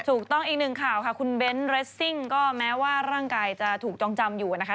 อีกหนึ่งข่าวค่ะคุณเบ้นเรสซิ่งก็แม้ว่าร่างกายจะถูกจองจำอยู่นะคะ